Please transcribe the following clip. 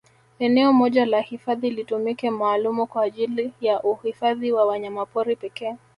Eneo moja la hifadhi litumike maalumu kwa ajili ya uhifadhi wa wanyamapori pekee